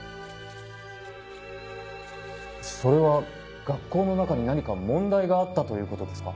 それは学校の中に何か問題があったということですか？